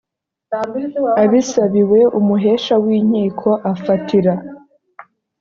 abisabiwe umuhesha w inkiko afatira